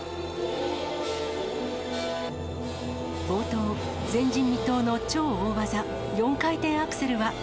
冒頭、前人未到の超大技、４回転アクセルは。